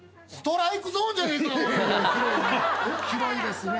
広いですね。